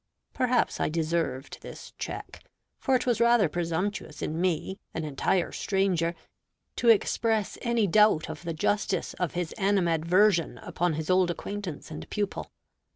Perhaps I deserved this check; for it was rather presumptuous in me, an entire stranger, to express any doubt of the justice of his animadversion upon his old acquaintance and pupil.